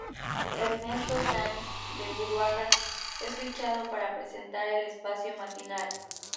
Ernesto Sáenz de Buruaga es fichado para presentar el espacio matinal.